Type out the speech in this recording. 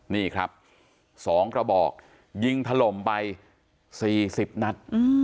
นี่ครับ๒กระบอกยิงถล่มไป๔๐นัด